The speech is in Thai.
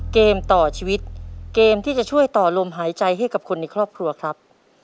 เกมต่อชีวิตเกมที่จะช่วยต่อลมหายใจให้กับคนในครอบครัวครับ